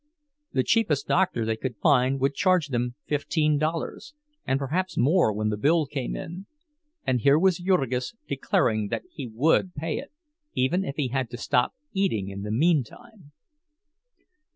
The cheapest doctor they could find would charge them fifteen dollars, and perhaps more when the bill came in; and here was Jurgis, declaring that he would pay it, even if he had to stop eating in the meantime!